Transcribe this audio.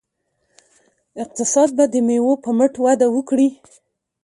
اقتصاد به د میوو په مټ وده وکړي.